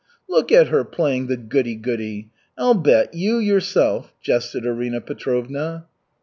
"Look at her playing the goody goody. I'll bet, you yourself " jested Arina Petrovna.